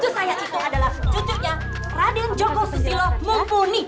satu saya itu adalah cucunya raden joko susilo mumpuni